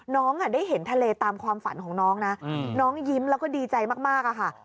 น้องได้เห็นทะเลตามความฝันของน้องนะน้องยิ้มแล้วก็ดีใจมากอะค่ะ